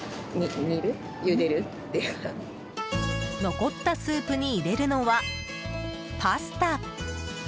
残ったスープに入れるのはパスタ。